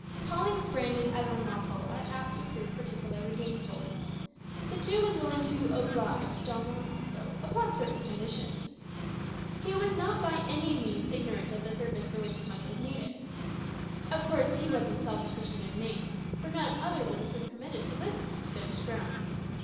Callings branded as unlawful are apt to prove particularly gainful. The Jew was willing to "oblige" Don Juan also, upon certain conditions. He was not by any means ignorant of the purpose for which his money was needed. Of course he was himself a Christian in name, for none other would have been permitted to live upon Spanish ground.